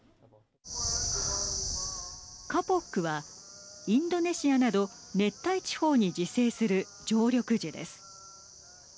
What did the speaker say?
カポックはインドネシアなど熱帯地方に自生する常緑樹です。